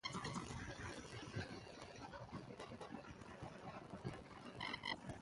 Bowden is a committed Christian who credits his success in football to his faith.